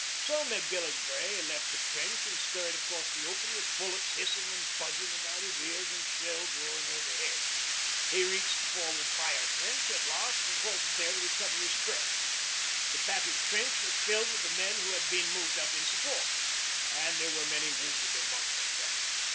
So Macgillivray left the trench and scurried across the open with bullets hissing and buzzing about his ears and shells roaring overhead. He reached the forward fire trench at last and halted there to recover his breath. The battered trench was filled with the men who had been moved up in support, and there were many wounded amongst them.